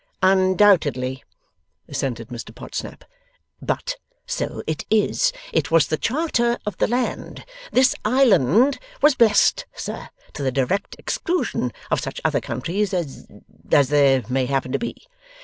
'Undoubtedly,' assented Mr Podsnap; 'But So it is. It was the Charter of the Land. This Island was Blest, Sir, to the Direct Exclusion of such Other Countries as as there may happen to be.